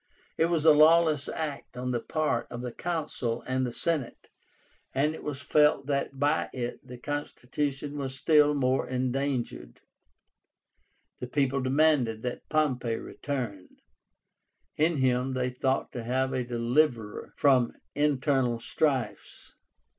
It was a lawless act on the part of the Consul and the Senate, and it was felt that by it the constitution was still more endangered. The people demanded that Pompey return. In him they thought to have a deliverer from internal strifes.